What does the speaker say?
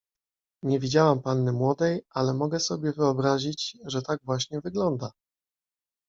Nie widziałam panny młodej, ale mogę sobie wyobrazić, że tak właśnie wygląda!